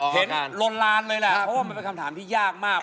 ลนลานเลยแหละเพราะว่ามันเป็นคำถามที่ยากมาก